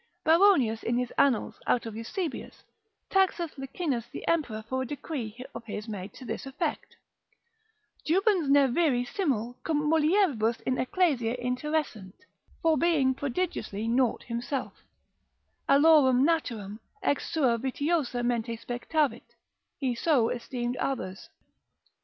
Baronius in his Annals, out of Eusebius, taxeth Licinius the emperor for a decree of his made to this effect, Jubens ne viri simul cum mulieribus in ecclesia interessent: for being prodigiously naught himself, aliorum naturam ex sua vitiosa mente spectavit, he so esteemed others.